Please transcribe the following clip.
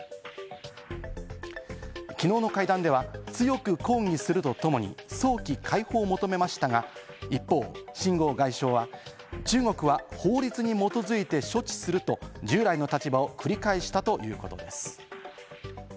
昨日の会談では強く抗議するとともに、早期解放を求めましたが、一方、シン・ゴウ外相は中国は法律に基づいて処置すると、従来の立場を繰り返したということです。